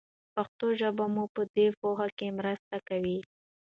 پښتو ژبه مو په دې پوهه کې مرسته کوي.